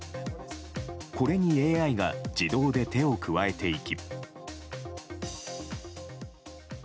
これに、ＡＩが自動で手を加えていき。